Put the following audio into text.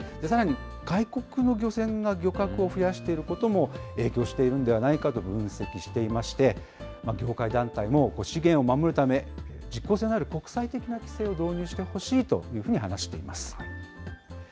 さらに外国の漁船が漁獲を増やしていることも影響しているんではないかと分析していまして、業界団体も資源を守るため、実効性のある国際的な規制を導入してほしいというふうに話しています。